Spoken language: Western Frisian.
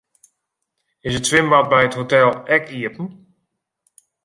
Is it swimbad by it hotel ek iepen?